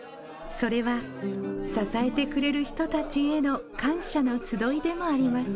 それは支えてくれる人たちへの感謝の集いでもあります。